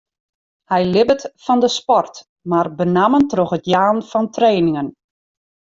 Hy libbet fan de sport, mar benammen troch it jaan fan trainingen.